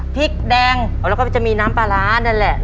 พริกแดงแล้วก็มีน้ำปลาร้านอันอันแหละนะฮะ